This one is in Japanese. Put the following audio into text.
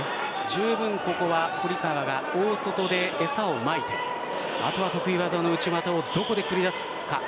十分、堀川が大外で餌をまいてあとは得意技の内股をどこで繰り出すか。